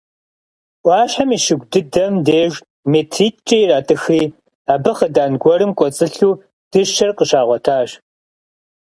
Ӏуащхьэм и щыгу дыдэм деж метритӏкӏэ иратӏыхри, абы хъыдан гуэрым кӏуэцӏылъу дыщэр къыщагъуэтащ.